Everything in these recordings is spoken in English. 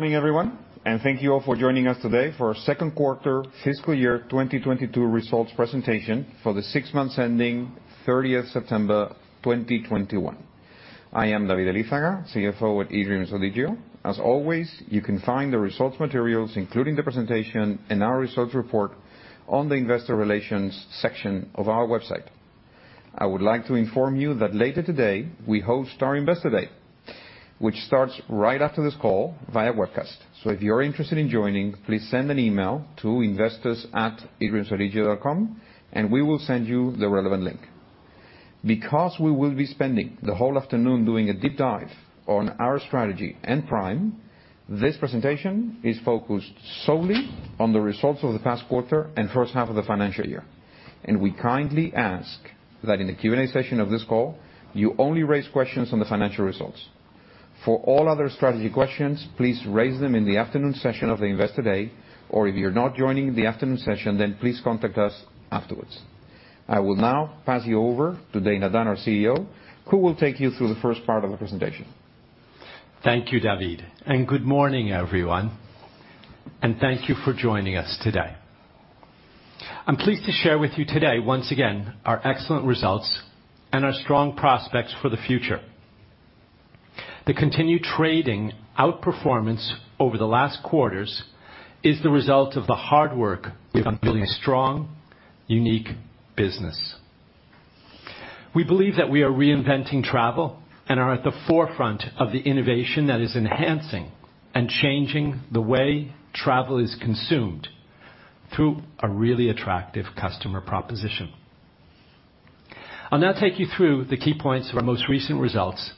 Good morning, everyone, and thank you all for joining us today for our second quarter FY 2022 results presentation for the six months ending 30th September 2021. I am David Elizaga, Chief Financial Officer at eDreams ODIGEO. As always, you can find the results materials, including the presentation and our results report, on the investor relations section of our website. I would like to inform you that later today, we host our Investor Day, which starts right after this call via webcast. If you're interested in joining, please send an email to investors@edreamsodigeo.com and we will send you the relevant link. Because we will be spending the whole afternoon doing a deep dive on our strategy and Prime, this presentation is focused solely on the results of the past quarter and first half of the financial year. We kindly ask that in the Q&A session of this call, you only raise questions on the financial results. All other strategy questions, please raise them in the afternoon session of the Investor Day, or if you're not joining the afternoon session, then please contact us afterwards. I will now pass you over to Dana Dunne, our Chief Executive Officer, who will take you through the first part of the presentation. Thank you, David, and good morning everyone? Thank you for joining us today. I'm pleased to share with you today, once again, our excellent results and our strong prospects for the future. The continued trading outperformance over the last quarters is the result of the hard work we've done building a strong, unique business. We believe that we are reinventing travel and are at the forefront of the innovation that is enhancing and changing the way travel is consumed through a really attractive customer proposition. I'll now take you through the key points of our most recent results,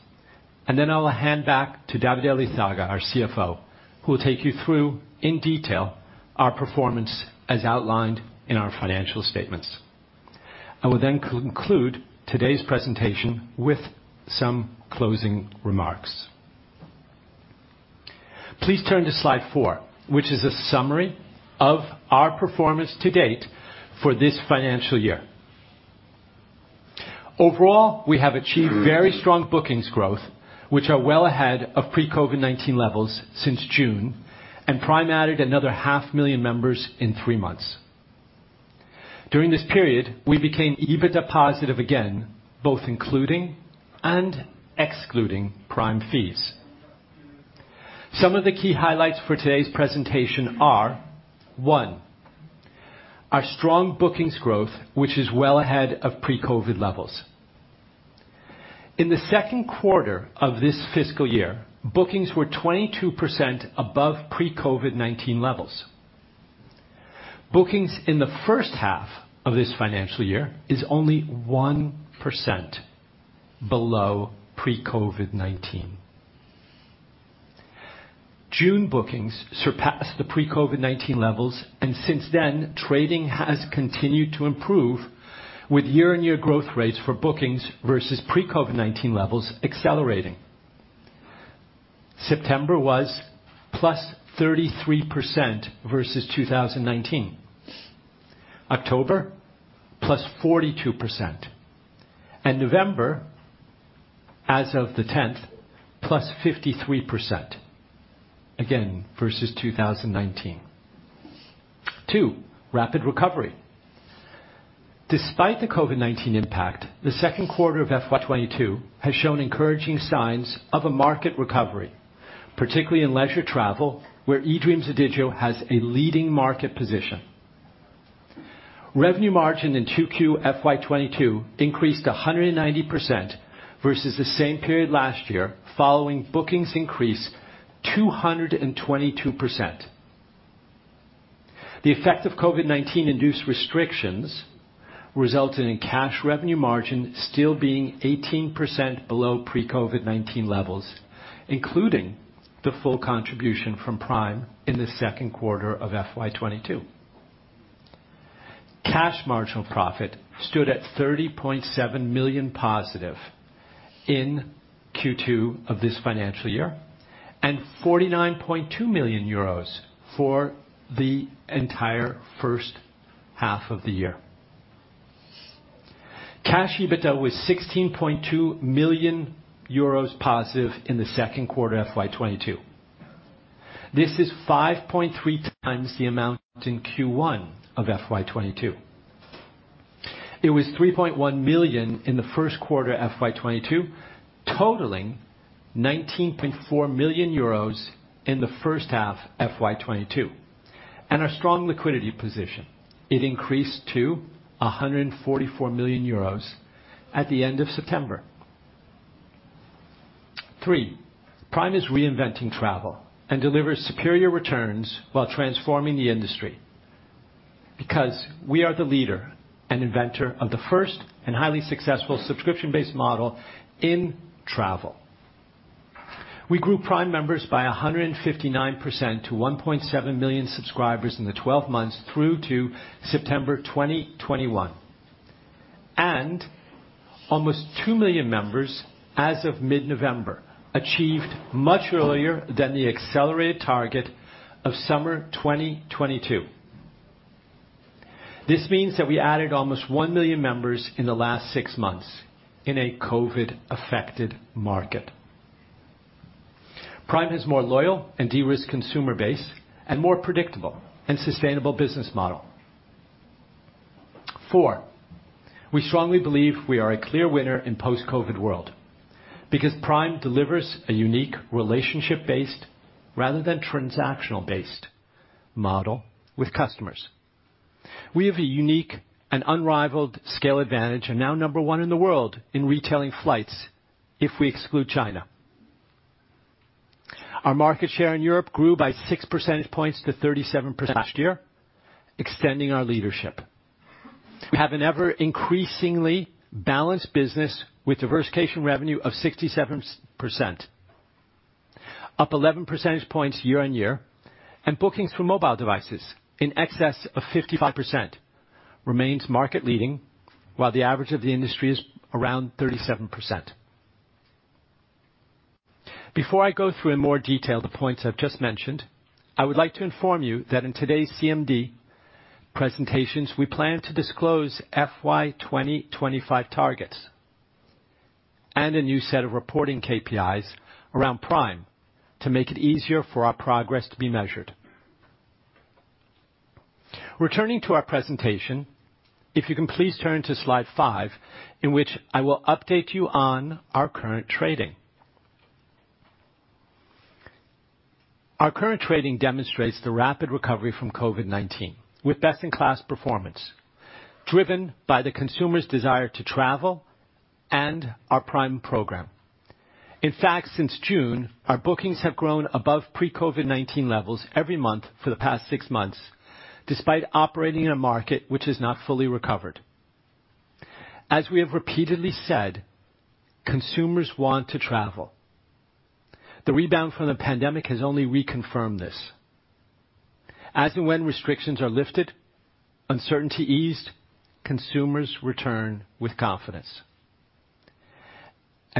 and then I'll hand back to David Elizaga, our Chief Financial Officer, who will take you through, in detail, our performance as outlined in our financial statements. I will then conclude today's presentation with some closing remarks. Please turn to slide four, which is a summary of our performance to date for this financial year. Overall, we have achieved very strong bookings growth, which are well ahead of pre-COVID-19 levels since June, and Prime added another half million members in three months. During this period, we became EBITDA positive again, both including and excluding Prime fees. Some of the key highlights for today's presentation are, one, our strong bookings growth, which is well ahead of pre-COVID levels. In the second quarter of this fiscal year, bookings were 22% above pre-COVID-19 levels. Bookings in the first half of this financial year is only 1% below pre-COVID-19. June bookings surpassed the pre-COVID-19 levels, and since then, trading has continued to improve, with year-on-year growth rates for bookings versus pre-COVID-19 levels accelerating. September was +33% versus 2019. October, +42%. November, as of the 10th, +53%, again, versus 2019. Two, rapid recovery. Despite the COVID-19 impact, the second quarter of FY 2022 has shown encouraging signs of a market recovery, particularly in leisure travel, where eDreams ODIGEO has a leading market position. Revenue margin in 2Q FY 2022 increased 190% versus the same period last year, following bookings increase 222%. The effect of COVID-19 induced restrictions resulted in cash revenue margin still being 18% below pre-COVID-19 levels, including the full contribution from Prime in the second quarter of FY 2022. Cash marginal profit stood at 30.7 million positive in Q2 of this financial year, and 49.2 million euros for the entire first half of the year. Cash EBITDA was 16.2 million euros positive in the second quarter FY 2022. This is 5.3x the amount in Q1 of FY 2022. It was 3.1 million in the first quarter FY 2022, totaling 19.4 million euros in the first half FY 2022. Our strong liquidity position, it increased to 144 million euros at the end of September. Three, Prime is reinventing travel and delivers superior returns while transforming the industry. We are the leader and inventor of the first and highly successful subscription-based model in travel. We grew Prime members by 159% to 1.7 million subscribers in the 12 months through to September 2021. Almost two million members as of mid-November, achieved much earlier than the accelerated target of summer 2022. This means that we added almost 1 million members in the last six months in a COVID-affected market. Prime has more loyal and de-risked consumer base, and more predictable and sustainable business model. Four, we strongly believe we are a clear winner in post-COVID world because Prime delivers a unique relationship-based rather than transactional-based model with customers. We have a unique and unrivaled scale advantage and now number one in the world in retailing flights if we exclude China. Our market share in Europe grew by 6 percentage points to 37% last year, extending our leadership. We have an ever-increasingly balanced business with diversification revenue of 67%, up 11 percentage points year-on-year, and bookings for mobile devices in excess of 55% remains market leading, while the average of the industry is around 37%. Before I go through in more detail the points I've just mentioned, I would like to inform you that in today's CMD presentations, we plan to disclose FY 2025 targets and a new set of reporting KPIs around Prime to make it easier for our progress to be measured. Returning to our presentation, if you can please turn to slide five, in which I will update you on our current trading. Our current trading demonstrates the rapid recovery from COVID-19, with best-in-class performance, driven by the consumer's desire to travel and our Prime program. In fact, since June, our bookings have grown above pre-COVID-19 levels every month for the past six months, despite operating in a market which is not fully recovered. As we have repeatedly said, consumers want to travel. The rebound from the pandemic has only reconfirmed this. As and when restrictions are lifted, uncertainty eased, consumers return with confidence.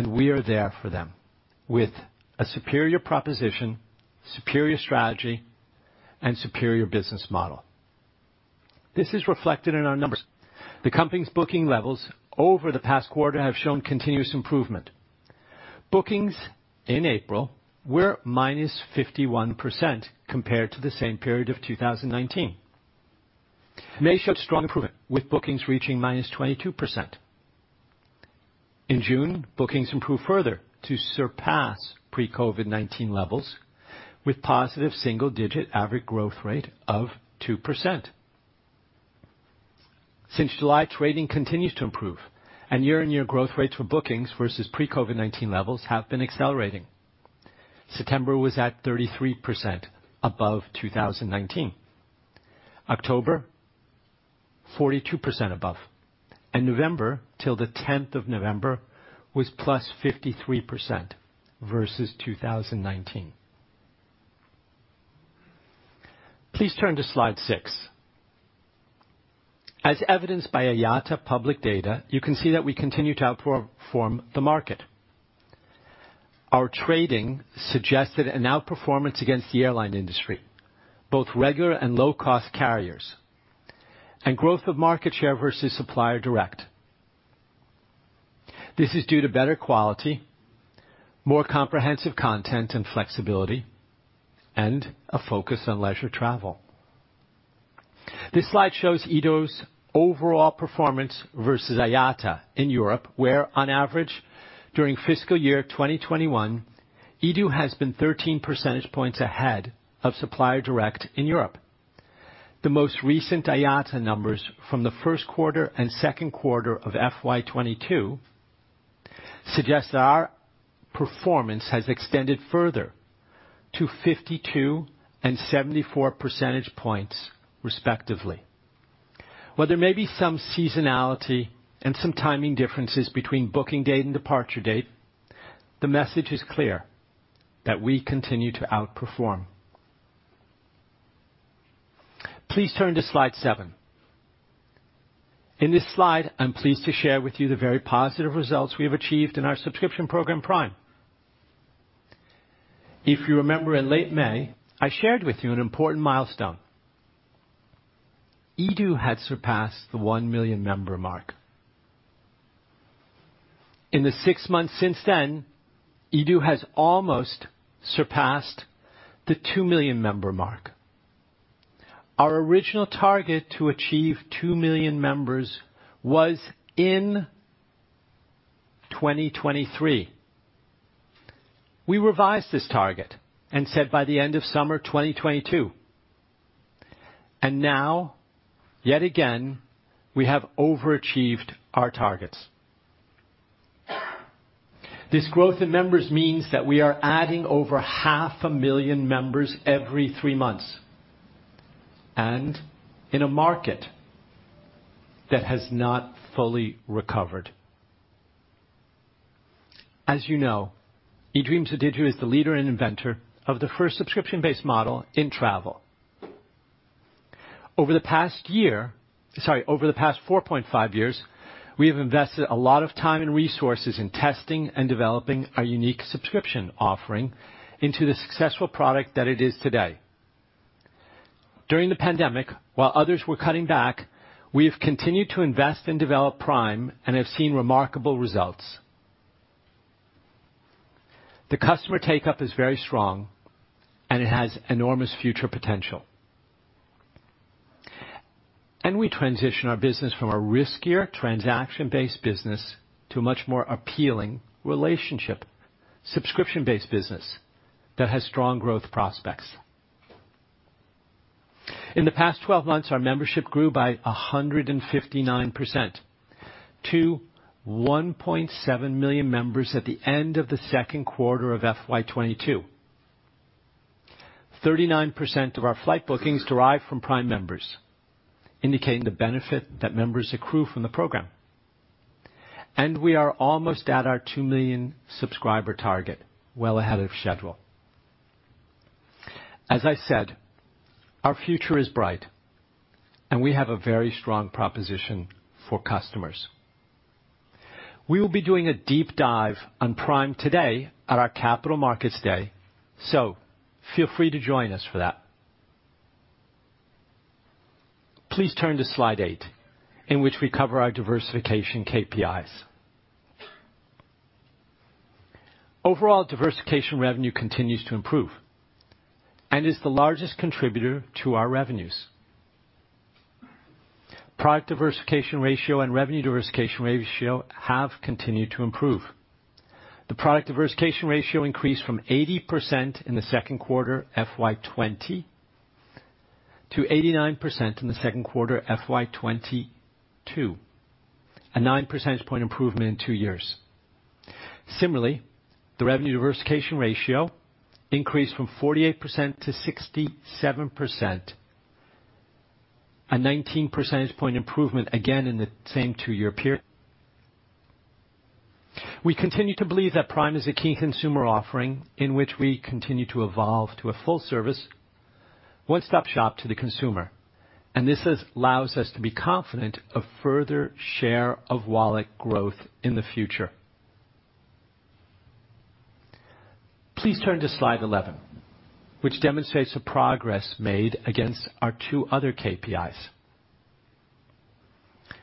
We are there for them with a superior proposition, superior strategy, and superior business model. This is reflected in our numbers. The company's booking levels over the past quarter have shown continuous improvement. Bookings in April were -51% compared to the same period of 2019. May showed strong improvement, with bookings reaching -22%. In June, bookings improved further to surpass pre-COVID-19 levels with positive single-digit average growth rate of 2%. Since July, trading continues to improve and year-on-year growth rates for bookings versus pre-COVID-19 levels have been accelerating. September was at 33% above 2019. October, 42% above. November, till November 10, was +53% versus 2019. Please turn to slide six. As evidenced by IATA public data, you can see that we continue to outperform the market. Our trading suggested an outperformance against the airline industry, both regular and low-cost carriers, and growth of market share versus supplier direct. This is due to better quality, more comprehensive content and flexibility, and a focus on leisure travel. This slide shows eDreams' overall performance versus IATA in Europe, where on average, during fiscal year 2021, eDreams has been 13 percentage points ahead of supplier direct in Europe. The most recent IATA numbers from the first quarter and second quarter of FY 2022 suggest that our performance has extended further to 52 percentage points and 74 percentage points respectively. While there may be some seasonality and some timing differences between booking date and departure date, the message is clear that we continue to outperform. Please turn to slide seven. In this slide, I'm pleased to share with you the very positive results we have achieved in our subscription program, Prime. If you remember in late May, I shared with you an important milestone. eDreams had surpassed the one million member mark. In the six months since then, eDreams has almost surpassed the two million member mark. Our original target to achieve two million members was in 2023. We revised this target and said by the end of summer 2022. Now, yet again, we have overachieved our targets. This growth in members means that we are adding over half a million members every three months, and in a market that has not fully recovered. As you know, eDreams ODIGEO is the leader and inventor of the first subscription-based model in travel. Over the past 4.5 years, we have invested a lot of time and resources in testing and developing our unique subscription offering into the successful product that it is today. During the pandemic, while others were cutting back, we have continued to invest and develop Prime and have seen remarkable results. The customer take-up is very strong, and it has enormous future potential. We transition our business from a riskier transaction-based business to a much more appealing relationship, subscription-based business that has strong growth prospects. In the past 12 months, our membership grew by 159% to 1.7 million members at the end of the second quarter of FY 2022. 39% of our flight bookings derive from Prime members, indicating the benefit that members accrue from the program. We are almost at our 2 million subscriber target, well ahead of schedule. As I said, our future is bright, and we have a very strong proposition for customers. We will be doing a deep dive on Prime today at our Capital Markets Day, so feel free to join us for that. Please turn to slide eight in which we cover our diversification KPIs. Overall diversification revenue continues to improve and is the largest contributor to our revenues. Product diversification ratio and revenue diversification ratio have continued to improve. The product diversification ratio increased from 80% in the second quarter FY 2020, to 89% in the second quarter FY 2022, a 9 percentage point improvement in two years. Similarly, the revenue diversification ratio increased from 48% to 67%, a 19 percentage point improvement, again, in the same two-year period. We continue to believe that Prime is a key consumer offering in which we continue to evolve to a full service, one-stop shop to the consumer, and this allows us to be confident of further share of wallet growth in the future. Please turn to slide 11, which demonstrates the progress made against our two other KPIs.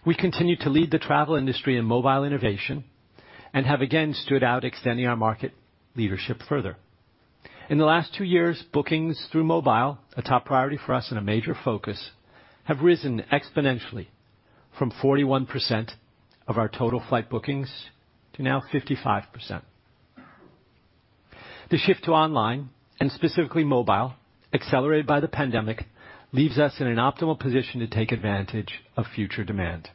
We continue to lead the travel industry in mobile innovation and have again stood out extending our market leadership further. In the last two years, bookings through mobile, a top priority for us and a major focus, have risen exponentially from 41% of our total flight bookings to now 55%. The shift to online, and specifically mobile, accelerated by the pandemic, leaves us in an optimal position to take advantage of future demand.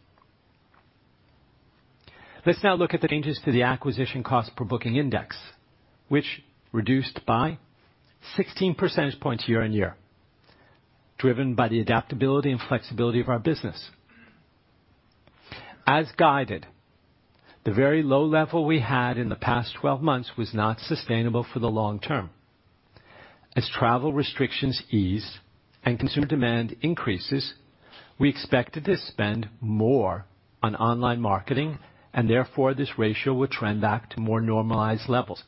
Let's now look at the changes to the acquisition cost per booking index, which reduced by 16 percentage points year-on-year, driven by the adaptability and flexibility of our business. As guided, the very low level we had in the past 12 months was not sustainable for the long term. As travel restrictions ease and consumer demand increases, we expected to spend more on online marketing and therefore this ratio will trend back to more normalized levels.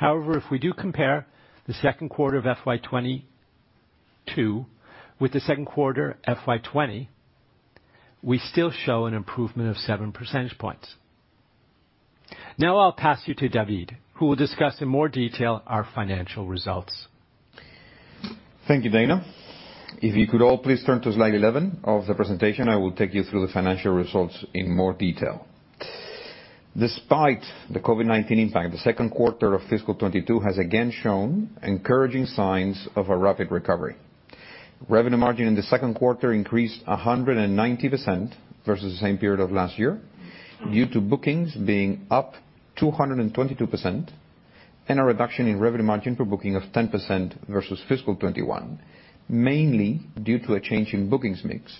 However, if we do compare the second quarter of FY 2022 with the second quarter FY 2020, we still show an improvement of seven percentage points. Now I'll pass you to David, who will discuss in more detail our financial results. Thank you, Dana. If you could all please turn to slide 11 of the presentation, I will take you through the financial results in more detail. Despite the COVID-19 impact, the second quarter of fiscal 2022 has again shown encouraging signs of a rapid recovery. Revenue margin in the second quarter increased 190% versus the same period of last year due to bookings being up 222% and a reduction in revenue margin per booking of 10% versus fiscal 2021, mainly due to a change in bookings mix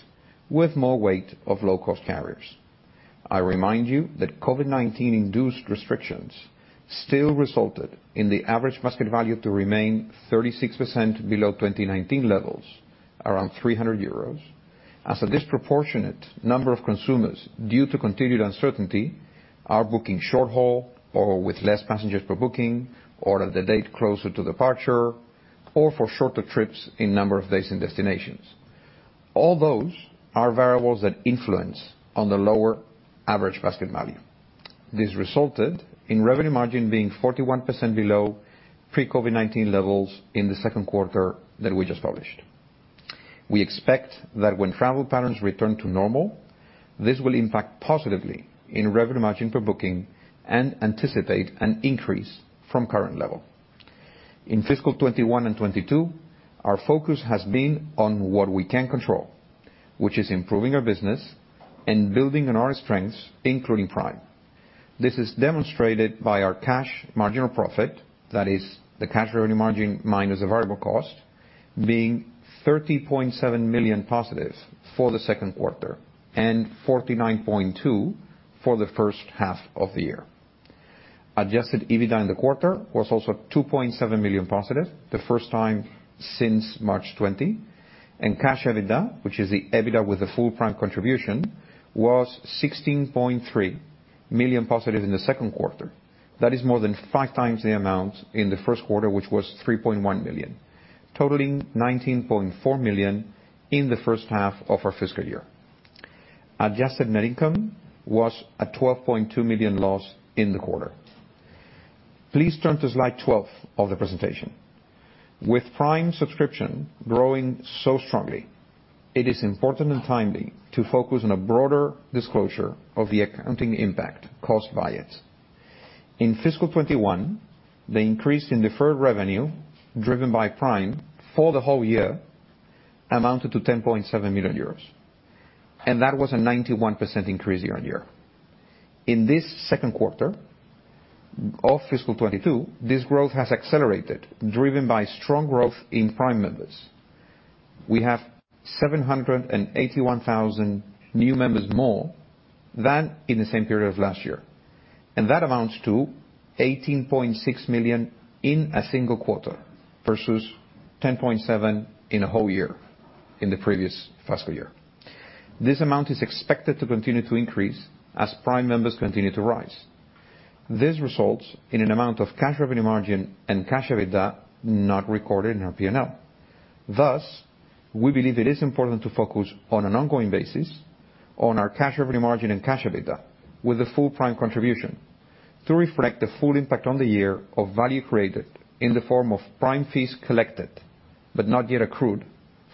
with more weight of low-cost carriers. I remind you that COVID-19 induced restrictions still resulted in the average basket value to remain 36% below 2019 levels, around 300 euros, as a disproportionate number of consumers, due to continued uncertainty, are booking short haul or with less passengers per booking or at the date closer to departure or for shorter trips in number of days and destinations. All those are variables that influence on the lower average basket value. This resulted in revenue margin being 41% below pre-COVID-19 levels in the second quarter that we just published. We expect that when travel patterns return to normal, this will impact positively in revenue margin per booking and anticipate an increase from current level. In FY 2021 and FY 2022, our focus has been on what we can control, which is improving our business and building on our strengths, including Prime. This is demonstrated by our cash marginal profit. That is the cash revenue margin minus the variable cost, being 30.7 million positive for the second quarter, and 49.2 million for the first half of the year. Adjusted EBITDA in the quarter was also 2.7 million positive, the first time since March 2020, and cash EBITDA, which is the EBITDA with the full Prime contribution, was 16.3 million positive in the second quarter. That is more than five times the amount in the first quarter, which was 3.1 million, totaling 19.4 million in the first half of our fiscal year. Adjusted net income was a 12.2 million loss in the quarter. Please turn to slide 12 of the presentation. With Prime subscription growing so strongly, it is important and timely to focus on a broader disclosure of the accounting impact caused by it. In FY 2021, the increase in deferred revenue, driven by Prime, for the whole year amounted to 10.7 million euros. That was a 91% increase year-on-year. In this second quarter of FY 2022, this growth has accelerated, driven by strong growth in Prime members. We have 781,000 new members more than in the same period of last year. That amounts to 18.6 million in a single quarter versus 10.7 in a whole year in the previous fiscal year. This amount is expected to continue to increase as Prime members continue to rise. This results in an amount of cash revenue margin and cash EBITDA not recorded in our P&L. We believe it is important to focus on an ongoing basis on our cash revenue margin and cash EBITDA with the full Prime contribution to reflect the full impact on the year of value created in the form of Prime fees collected, but not yet accrued,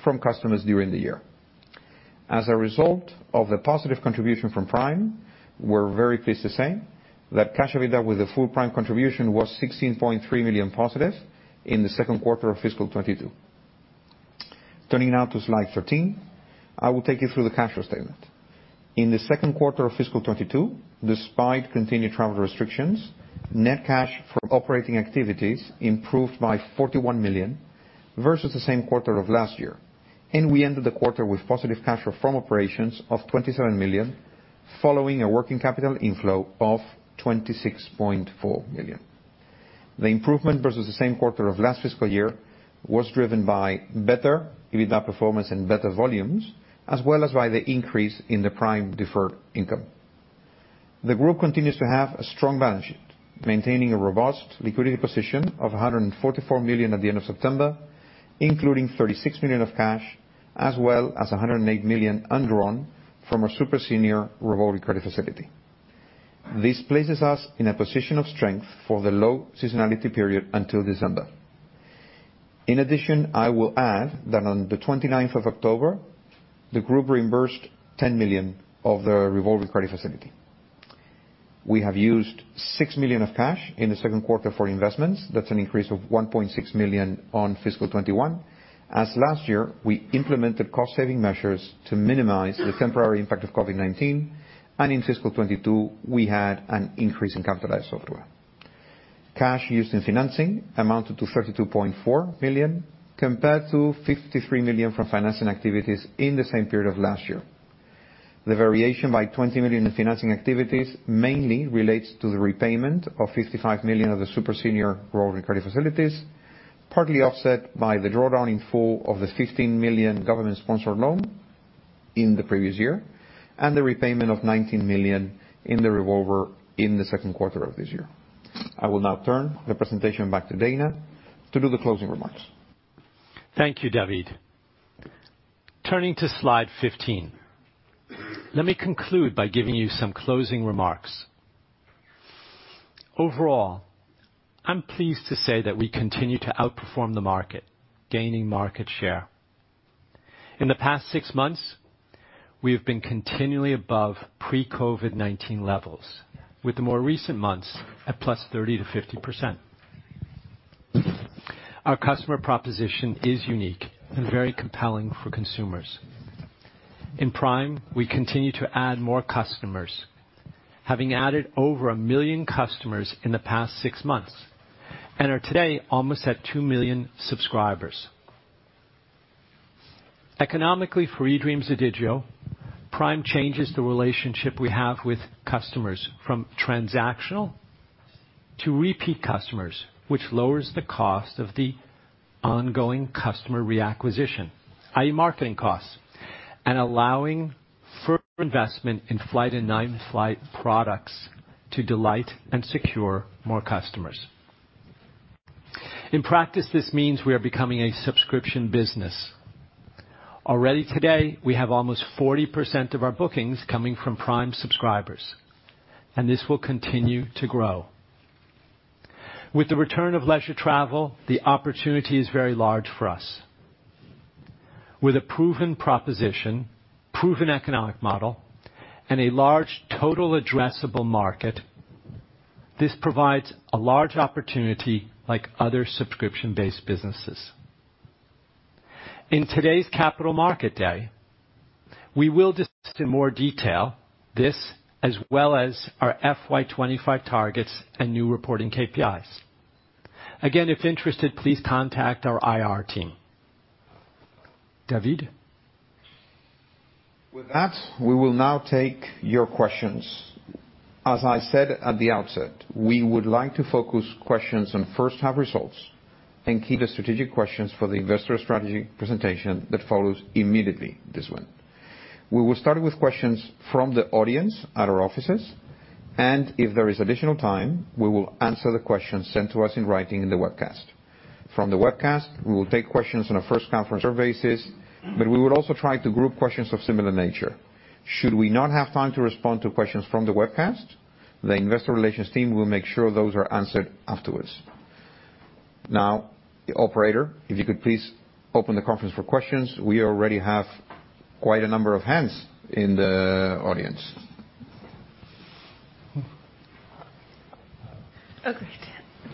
from customers during the year. As a result of the positive contribution from Prime, we're very pleased to say that cash EBITDA with the full Prime contribution was 16.3 million positive in the second quarter of FY 2022. Turning now to slide 13, I will take you through the cash flow statement. In the second quarter of FY 2022, despite continued travel restrictions, net cash from operating activities improved by 41 million versus the same quarter of last year, and we ended the quarter with positive cash flow from operations of 27 million, following a working capital inflow of 26.4 million. The improvement versus the same quarter of last fiscal year was driven by better EBITDA performance and better volumes, as well as by the increase in the Prime deferred income. The group continues to have a strong balance sheet, maintaining a robust liquidity position of 144 million at the end of September, including 36 million of cash, as well as 108 million undrawn from our super senior revolving credit facility. This places us in a position of strength for the low seasonality period until December. In addition, I will add that on October 29, the group reimbursed 10 million of the revolving credit facility. We have used 6 million of cash in the second quarter for investments. That's an increase of 1.6 million on FY 2021. As last year, we implemented cost-saving measures to minimize the temporary impact of COVID-19, and in FY22, we had an increase in capitalized software. Cash used in financing amounted to 32.4 million, compared to 53 million from financing activities in the same period of last year. The variation by 20 million in financing activities mainly relates to the repayment of 55 million of the super senior revolving credit facilities, partly offset by the drawdown in full of the 15 million government-sponsored loan in the previous year, and the repayment of 19 million in the revolver in the second quarter of this year. I will now turn the presentation back to Dana to do the closing remarks. Thank you, David. Turning to slide 15. Let me conclude by giving you some closing remarks. Overall, I am pleased to say that we continue to outperform the market, gaining market share. In the past six months, we have been continually above pre-COVID-19 levels, with the more recent months at +30% to 50%. Our customer proposition is unique and very compelling for consumers. In Prime, we continue to add more customers, having added over a million customers in the past six months, and are today almost at 2 million subscribers. Economically, for eDreams ODIGEO, Prime changes the relationship we have with customers from transactional to repeat customers, which lowers the cost of the ongoing customer reacquisition, i.e. marketing costs, and allowing further investment in flight and non-flight products to delight and secure more customers. In practice, this means we are becoming a subscription business. Already today, we have almost 40% of our bookings coming from Prime subscribers, and this will continue to grow. With the return of leisure travel, the opportunity is very large for us. With a proven proposition, proven economic model, and a large total addressable market, this provides a large opportunity like other subscription-based businesses. In today's Capital Markets Day, we will discuss in more detail this as well as our FY 2025 targets and new reporting KPIs. Again, if interested, please contact our IR team. David? With that, we will now take your questions. As I said at the outset, we would like to focus questions on first half results. Keep the strategic questions for the investor strategy presentation that follows immediately this one. We will start with questions from the audience at our offices, and if there is additional time, we will answer the questions sent to us in writing in the webcast. From the webcast, we will take questions on a first conference basis, but we will also try to group questions of similar nature. Should we not have time to respond to questions from the webcast, the investor relations team will make sure those are answered afterwards. Now, the operator, if you could please open the conference for questions. We already have quite a number of hands in the audience. Oh, great.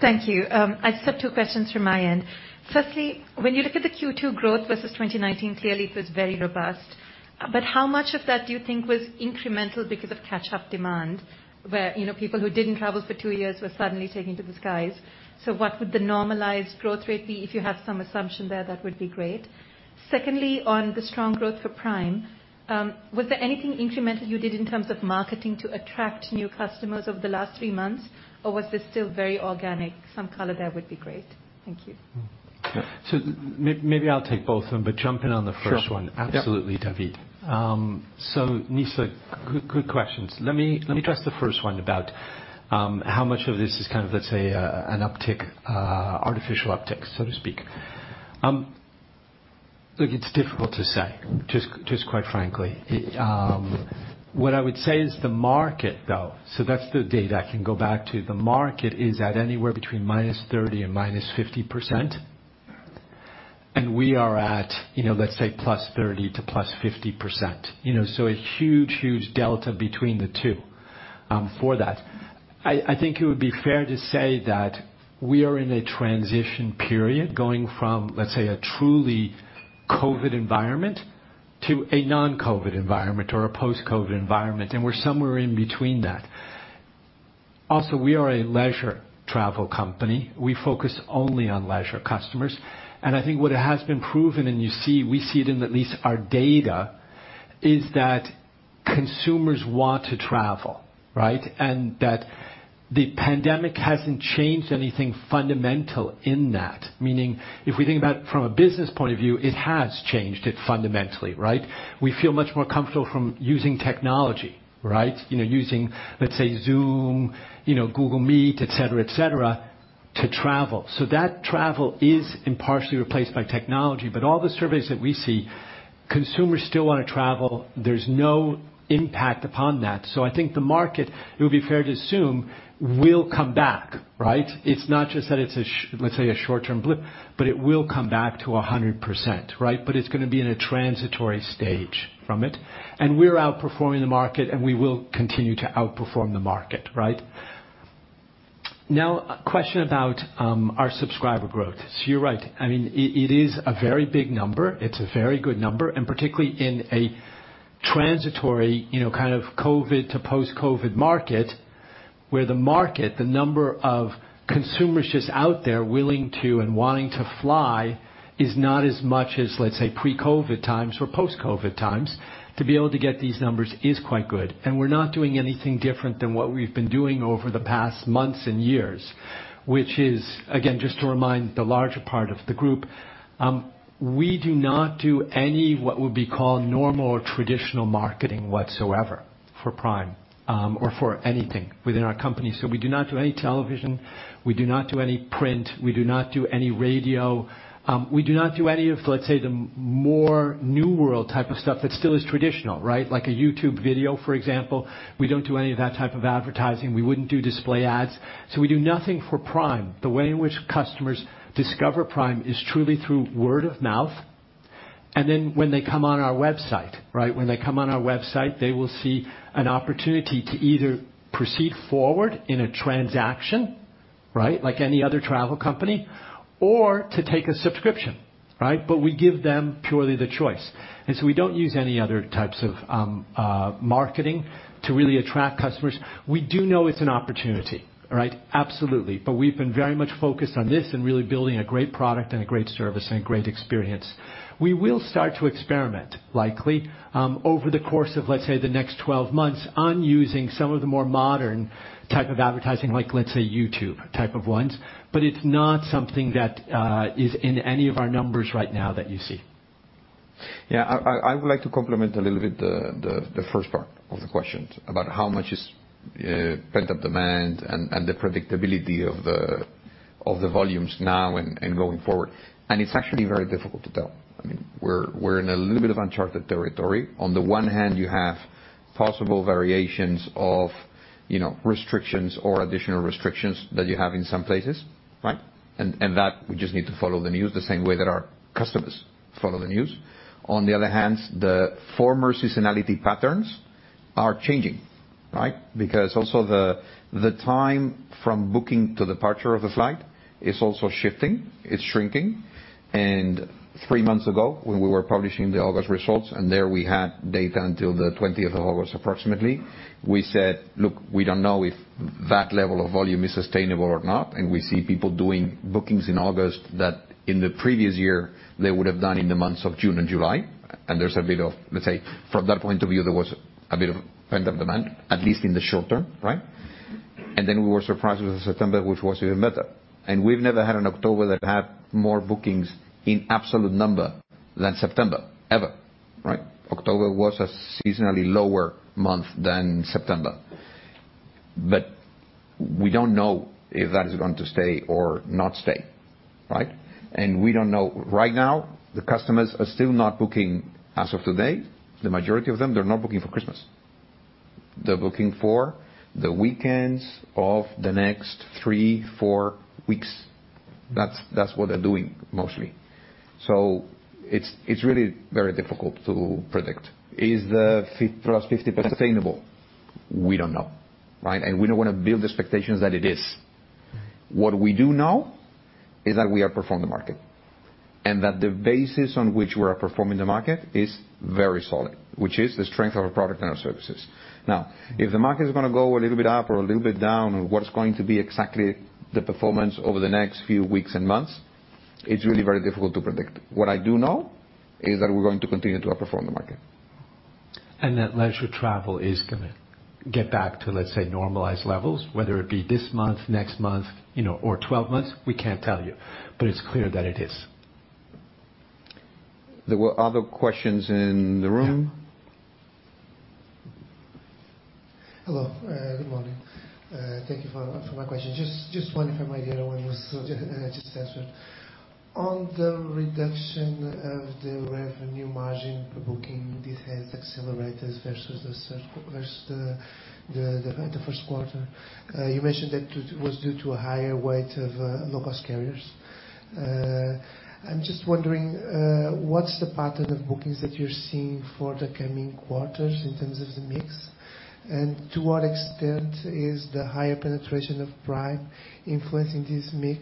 Thank you. I just have two questions from my end. Firstly, when you look at the Q2 growth versus 2019, clearly it was very robust. How much of that do you think was incremental because of catch-up demand, where people who didn't travel for two years were suddenly taking to the skies? What would the normalized growth rate be? If you have some assumption there, that would be great. Secondly, on the strong growth for Prime, was there anything incremental you did in terms of marketing to attract new customers over the last three months? Was this still very organic? Some color there would be great. Thank you. Maybe I'll take both of them, but jump in on the first one. Sure. Yep. Absolutely, David. Nisa, good questions. Let me address the first one about how much of this is kind of, let's say, an artificial uptick, so to speak. Look, it is difficult to say, just quite frankly. What I would say is the market, though, so that's the data I can go back to. The market is at anywhere between -30% and -50%. We are at, let's say, +30% to +50%. A huge delta between the two for that. I think it would be fair to say that we are in a transition period going from, let's say, a truly COVID environment to a non-COVID environment or a post-COVID environment, and we are somewhere in between that. Also, we are a leisure travel company. We focus only on leisure customers. I think what has been proven, and we see it in at least our data, is that consumers want to travel, right? That the pandemic hasn't changed anything fundamental in that. Meaning, if we think about from a business point of view, it has changed it fundamentally, right? We feel much more comfortable from using technology, right? Using, let's say, Zoom, Google Meet, et cetera, to travel. That travel is impartially replaced by technology. All the surveys that we see, consumers still want to travel. There's no impact upon that. I think the market, it would be fair to assume, will come back, right? It's not just that it's a, let's say, a short-term blip, but it will come back to 100%, right? It's going to be in a transitory stage from it. We're outperforming the market, and we will continue to outperform the market, right? A question about our subscriber growth. You're right. It is a very big number. It's a very good number, and particularly in a transitory, kind of COVID to post-COVID market, where the market, the number of consumers just out there willing to and wanting to fly is not as much as, let's say, pre-COVID times or post-COVID times. To be able to get these numbers is quite good. We're not doing anything different than what we've been doing over the past months and years, which is, again, just to remind the larger part of the group. We do not do any, what would be called normal or traditional marketing whatsoever for Prime or for anything within our company. We do not do any television. We do not do any print. We do not do any radio. We do not do any of, let's say, the more new world type of stuff that still is traditional, right? Like a YouTube video, for example. We don't do any of that type of advertising. We wouldn't do display ads. We do nothing for Prime. The way in which customers discover Prime is truly through word of mouth, when they come on our website, right? When they come on our website, they will see an opportunity to either proceed forward in a transaction, right? Like any other travel company or to take a subscription, right? We give them purely the choice. We don't use any other types of marketing to really attract customers. We do know it's an opportunity. Right? Absolutely. We've been very much focused on this and really building a great product and a great service and a great experience. We will start to experiment, likely, over the course of, let's say, the next 12 months on using some of the more modern type of advertising, like, let's say, YouTube type of ones. It's not something that is in any of our numbers right now that you see. Yeah. I would like to complement a little bit the first part of the question about how much is pent-up demand and the predictability of the volumes now and going forward. It's actually very difficult to tell. We're in a little bit of uncharted territory. On the one hand, you have possible variations of restrictions or additional restrictions that you have in some places, right? That we just need to follow the news the same way that our customers follow the news. On the other hand, the former seasonality patterns are changing, right? Because also the time from booking to departure of the flight is also shifting. It's shrinking. Three months ago, when we were publishing the August results, and there we had data until August 20 approximately. We said, look, we don't know if that level of volume is sustainable or not. We see people doing bookings in August that in the previous year, they would have done in the months of June and July. There's a bit of, let's say, from that point of view, there was a bit of pent-up demand, at least in the short term. We were surprised with September, which was even better. We've never had an October that had more bookings in absolute number than September, ever. Right. October was a seasonally lower month than September. We don't know if that is going to stay or not stay. Right. We don't know. Right now, the customers are still not booking as of today. The majority of them, they're not booking for Christmas. They're booking for the weekends of the next three, four weeks. That's what they're doing mostly. It's really very difficult to predict. Is the +50% sustainable? We don't know, right? We don't want to build expectations that it is. What we do know is that we outperform the market, and that the basis on which we are performing the market is very solid, which is the strength of our product and our services. Now, if the market is going to go a little bit up or a little bit down, or what is going to be exactly the performance over the next few weeks and months, it's really very difficult to predict. What I do know is that we're going to continue to outperform the market. That leisure travel is going to get back to, let's say, normalized levels, whether it be this month, next month or 12 months. We can't tell you, but it's clear that it is. There were other questions in the room. Hello, good morning. Thank you for my question. Just one from my just answered. On the reduction of the revenue margin per booking, this has accelerated versus the first quarter. You mentioned that it was due to a higher weight of low-cost carriers. I'm just wondering, what's the pattern of bookings that you're seeing for the coming quarters in terms of the mix? To what extent is the higher penetration of Prime influencing this mix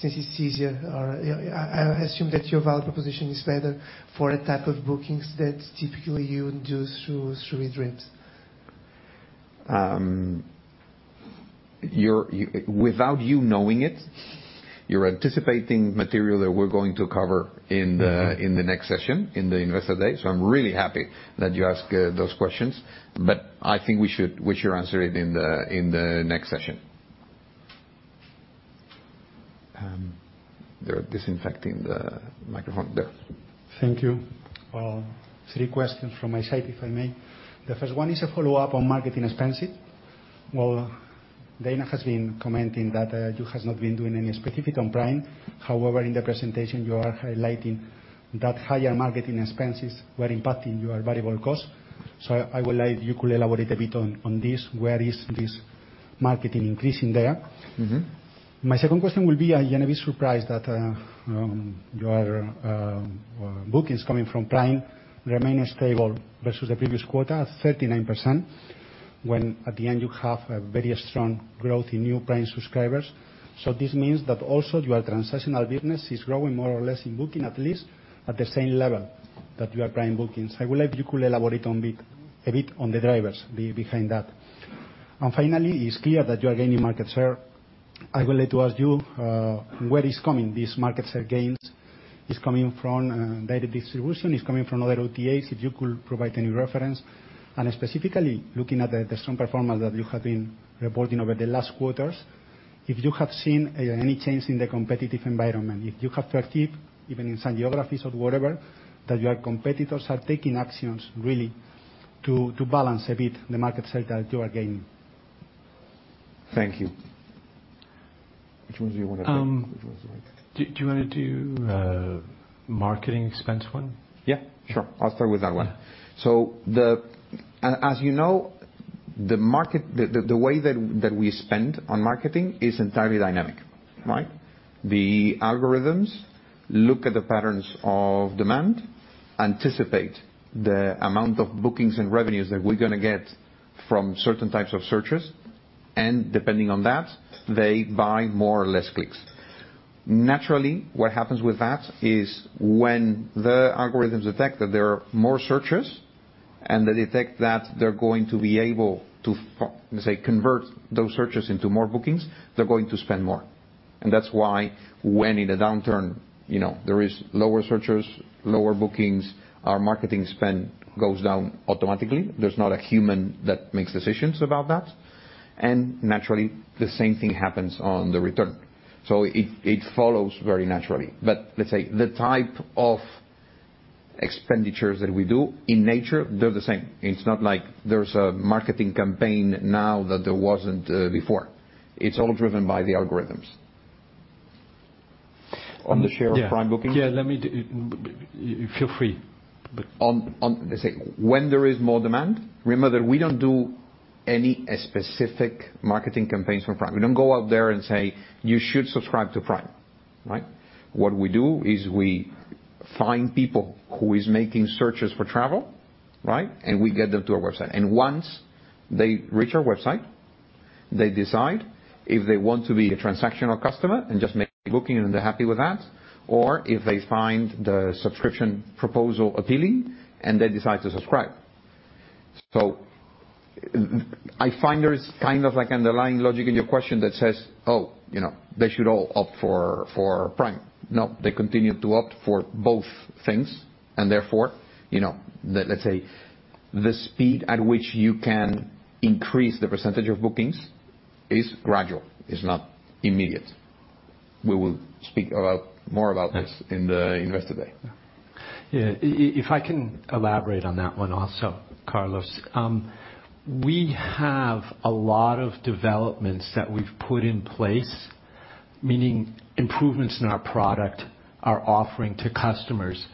since it's easier or I assume that your value proposition is better for the type of bookings that typically you induce through eDreams. Without you knowing it, you're anticipating material that we're going to cover in the next session, in the Investor Day. I'm really happy that you ask those questions, but I think we should answer it in the next session. They're disinfecting the microphone there. Thank you. Three questions from my side, if I may. The first one is a follow-up on marketing expenses. Well, Dana has been commenting that you have not been doing any specific on Prime. However, in the presentation, you are highlighting that higher marketing expenses were impacting your variable cost. I would like if you could elaborate a bit on this. Where is this marketing increasing there? My second question will be, I am a bit surprised that your bookings coming from Prime remain stable versus the previous quarter at 39%, when at the end, you have a very strong growth in new Prime subscribers. This means that also your transactional business is growing more or less in booking, at least at the same level that your Prime bookings. I would like if you could elaborate a bit on the drivers behind that. Finally, it's clear that you are gaining market share. I would like to ask you, where is coming these market share gains? It's coming from data distribution, it's coming from other OTAs. If you could provide any reference. Specifically, looking at the strong performance that you have been reporting over the last quarters, if you have seen any change in the competitive environment, if you have perceived, even in some geographies or whatever, that your competitors are taking actions really to balance a bit the market share that you are gaining? Thank you. Which ones do you want to take? Which ones do I take? Do you want to do, marketing expense one? Yeah, sure. I'll start with that one. As you know, the way that we spend on marketing is entirely dynamic, right? The algorithms look at the patterns of demand, anticipate the amount of bookings and revenues that we're going to get from certain types of searches, and depending on that, they buy more or less clicks. Naturally, what happens with that is when the algorithms detect that there are more searches and they detect that they're going to be able to, say, convert those searches into more bookings, they're going to spend more. That's why when in a downturn, there is lower searches, lower bookings, our marketing spend goes down automatically. There's not a human that makes decisions about that. Naturally, the same thing happens on the return. It follows very naturally. Let's say the type of expenditures that we do in nature, they're the same. It's not like there's a marketing campaign now that there wasn't before. It's all driven by the algorithms. On the share of Prime bookings? Yeah. Let's say when there is more demand, remember that we don't do any specific marketing campaigns for Prime. We don't go out there and say, you should subscribe to Prime. Right? What we do is we find people who is making searches for travel, right? We get them to our website. Once they reach our website, they decide if they want to be a transactional customer and just make a booking and they're happy with that. Or if they find the subscription proposal appealing, and they decide to subscribe. I find there is underlying logic in your question that says, oh, they should all opt for Prime. No. Therefore, let's say, the speed at which you can increase the percentage of bookings is gradual. It's not immediate. We will speak more about this in the Investor Day. Yeah. If I can elaborate on that one also, Carlos. We have a lot of developments that we've put in place, meaning improvements in our product, our offering to customers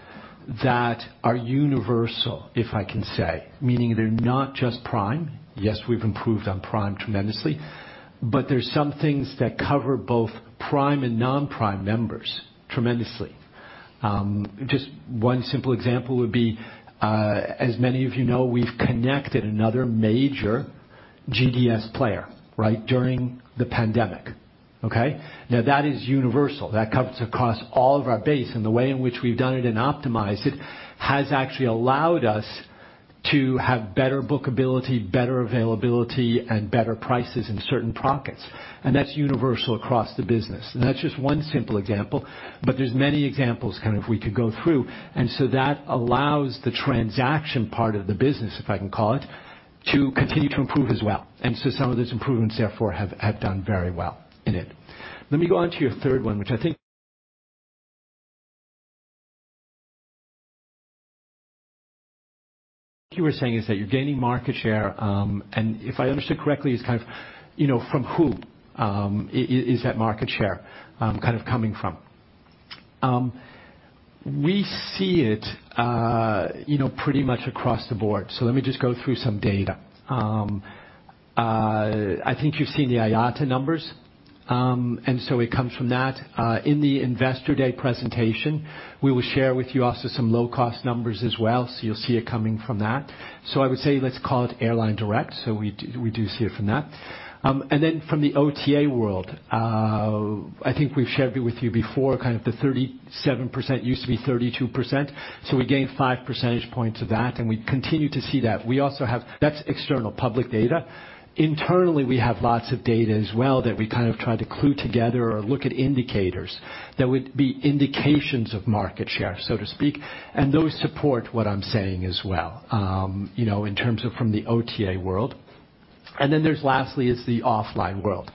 that are universal, if I can say. Meaning they're not just Prime. Yes, we've improved on Prime tremendously, but there's some things that cover both Prime and non-Prime members tremendously. Just one simple example would be, as many of you know, we've connected another major GDS player during the pandemic. Okay. That is universal. That cuts across all of our base, and the way in which we've done it and optimized it, has actually allowed us to have better bookability, better availability, and better prices in certain pockets. That's universal across the business. That's just one simple example, but there's many examples we could go through. That allows the transaction part of the business, if I can call it, to continue to improve as well. Some of those improvements, therefore, have done very well in it. Let me go on to your third one, which I think you were saying, is that you're gaining market share. If I understood correctly, from who is that market share coming from? We see it pretty much across the board. Let me just go through some data. I think you've seen the IATA numbers. It comes from that. In the Investor Day presentation, we will share with you also some low-cost numbers as well, you'll see it coming from that. I would say, let's call it Airline Direct, we do see it from that. From the OTA world, I think we've shared it with you before, the 37% used to be 32%, so we gained five percentage points of that, and we continue to see that. That's external public data. Internally, we have lots of data as well that we try to clue together or look at indicators that would be indications of market share, so to speak, and those support what I'm saying as well, in terms of from the OTA world. There's lastly, is the offline world.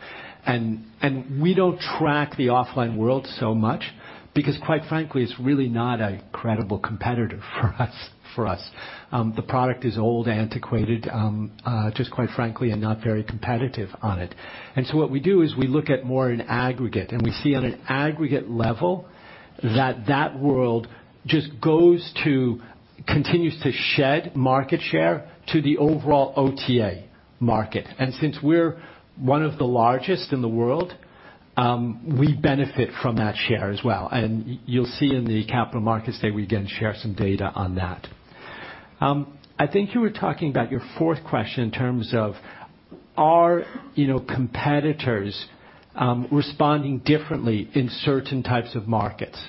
We don't track the offline world so much because quite frankly, it's really not a credible competitor for us. The product is old, antiquated, just quite frankly, and not very competitive on it. What we do is we look at more an aggregate, and we see on an aggregate level that that world just continues to shed market share to the overall OTA market. Since we're one of the largest in the world, we benefit from that share as well. You'll see in the Capital Markets Day, we, again, share some data on that. I think you were talking about your fourth question in terms of are competitors responding differently in certain types of markets.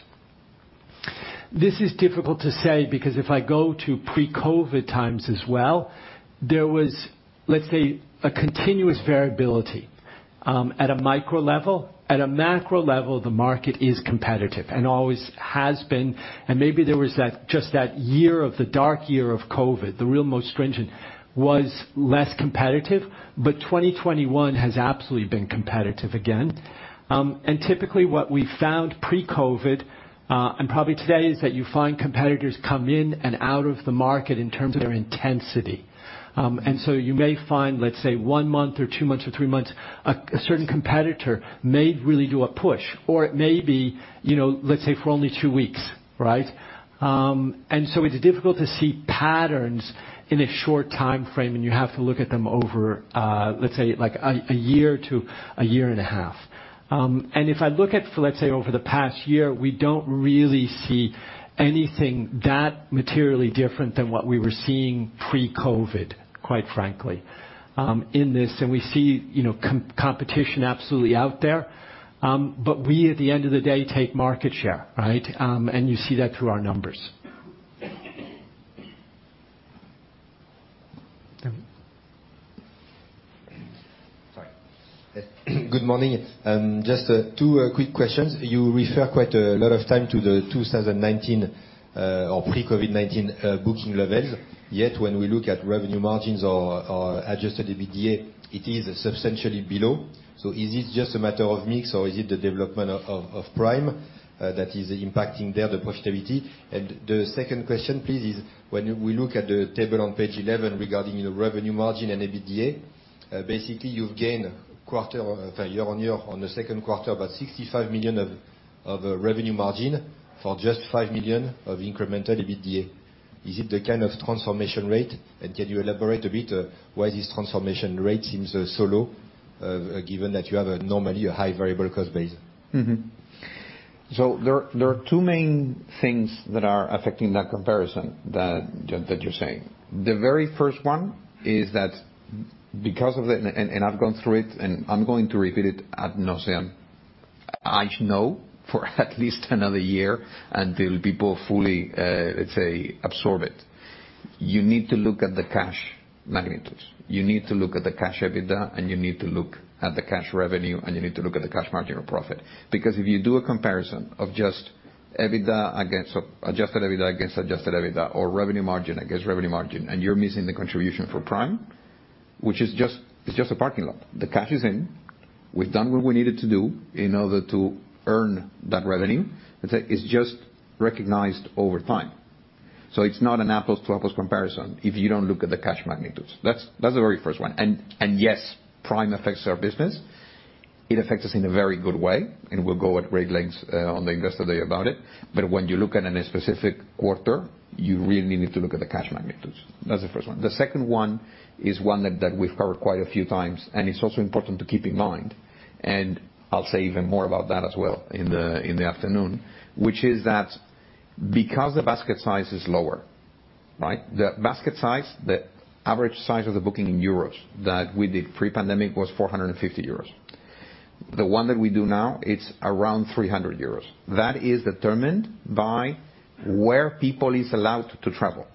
This is difficult to say because if I go to pre-COVID times as well, there was, let's say, a continuous variability at a micro level. At a macro level, the market is competitive and always has been, and maybe there was just that year of the dark year of COVID, the real most stringent, was less competitive, but 2021 has absolutely been competitive again. Typically, what we found pre-COVID, and probably today is that you find competitors come in and out of the market in terms of their intensity. You may find, let's say, one month or two months or three months, a certain competitor may really do a push, or it may be, let's say, for only two weeks. Right. It's difficult to see patterns in a short timeframe, and you have to look at them over, let's say, a year to a year and a half. If I look at, for let's say, over the past year, we don't really see anything that materially different than what we were seeing pre-COVID, quite frankly, in this. We see competition absolutely out there. We, at the end of the day, take market share, right? You see that through our numbers. Sorry. Good morning. Just two quick questions. You refer quite a lot of time to the 2019 or pre-COVID-19 booking levels. Yet when we look at revenue margins or adjusted EBITDA, it is substantially below. Is it just a matter of mix, or is it the development of Prime that is impacting there the profitability? The second question, please, is when we look at the table on page 11 regarding revenue margin and EBITDA, basically you've gained quarter, year-on-year on the second quarter, about 65 million of revenue margin for just 5 million of incremental EBITDA. Is it the kind of transformation rate, and can you elaborate a bit why this transformation rate seems so low, given that you have a normally a high variable cost base? There are two main things that are affecting that comparison that you're saying. The very first one is that because of the, and I've gone through it, and I'm going to repeat it ad nauseam I know for at least another year until people fully, let's say, absorb it. You need to look at the cash magnitudes. You need to look at the cash EBITDA, and you need to look at the cash revenue, and you need to look at the cash margin or profit. Because if you do a comparison of just adjusted EBITDA against adjusted EBITDA, or revenue margin against revenue margin, and you're missing the contribution for Prime, which is just a parking lot. The cash is in. We've done what we needed to do in order to earn that revenue. Let's say it's just recognized over time. It's not an apples-to-apples comparison if you don't look at the cash magnitudes. That's the very first one. Yes, Prime affects our business. It affects us in a very good way, and we'll go at great lengths on the Investor Day about it. When you look at any specific quarter, you really need to look at the cash magnitudes. That's the first one. The second one is one that we've covered quite a few times, and it's also important to keep in mind, and I'll say even more about that as well in the afternoon, which is that because the basket size is lower, right? The basket size, the average size of the booking in euros that we did pre-pandemic was 450 euros. The one that we do now, it's around 300 euros. That is determined by where people is allowed to travel.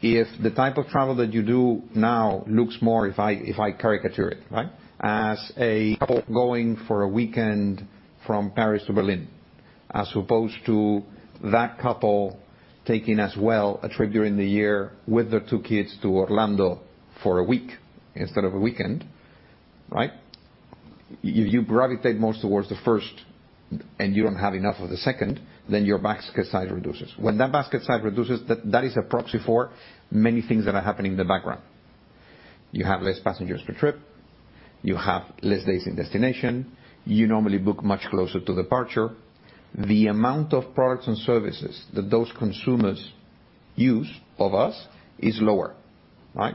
If the type of travel that you do now looks more, if I caricature it, right, as a couple going for a weekend from Paris to Berlin, as opposed to that couple taking as well a trip during the year with their two kids to Orlando for a week instead of a weekend, right? You gravitate most towards the first and you don't have enough of the second, then your basket size reduces. When that basket size reduces, that is a proxy for many things that are happening in the background. You have less passengers per trip. You have less days in destination. You normally book much closer to departure. The amount of products and services that those consumers use of us is lower, right?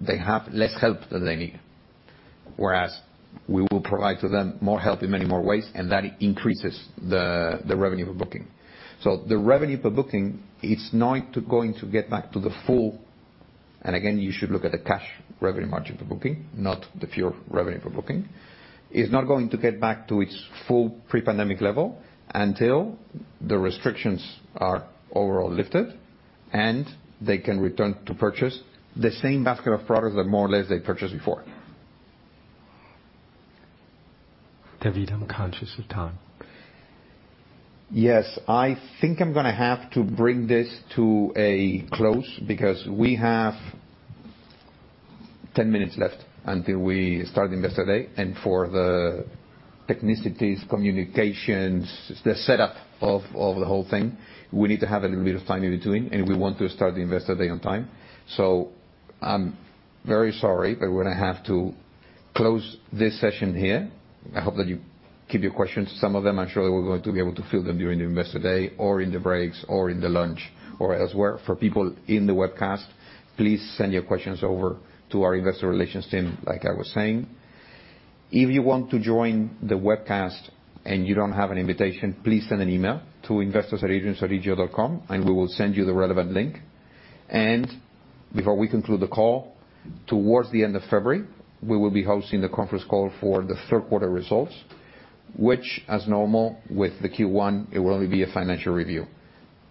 They have less help than they need. We will provide to them more help in many more ways, and that increases the revenue per booking. The revenue per booking, it's not going to get back to the full. Again, you should look at the cash revenue margin per booking, not the pure revenue per booking, is not going to get back to its full pre-pandemic level until the restrictions are overall lifted and they can return to purchase the same basket of products that more or less they purchased before. David, I'm conscious of time. Yes. I think I'm going to have to bring this to a close because we have 10 minutes left until we start Investor Day. For the technicities, communications, the setup of the whole thing, we need to have a little bit of time in between, and we want to start the Investor Day on time. I'm very sorry, but we're going to have to close this session here. I hope that you keep your questions. Some of them, I'm sure that we're going to be able to field them during the Investor Day or in the breaks or in the lunch or elsewhere. For people in the webcast, please send your questions over to our Investor Relations team, like I was saying. If you want to join the webcast and you don't have an invitation, please send an email to investors@edreamsodigeo.com and we will send you the relevant link. Before we conclude the call, towards the end of February, we will be hosting the conference call for the third quarter results, which as normal with the Q1, it will only be a financial review.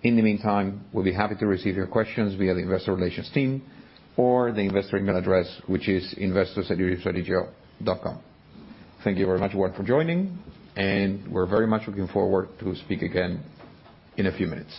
In the meantime, we'll be happy to receive your questions via the Investor Relations team or the investor email address, which is investors@edreamsodigeo.com. Thank you very much, Ward, for joining, and we're very much looking forward to speak again in a few minutes.